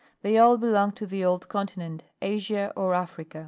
They all belong to the old continent, Asia or Africa.